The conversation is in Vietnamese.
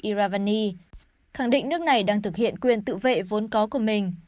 iravani khẳng định nước này đang thực hiện quyền tự vệ vốn có của mình